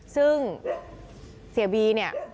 ซึ่งเสียบีเนี่ย